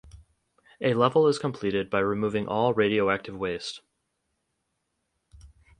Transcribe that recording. A level is completed by removing all radioactive waste.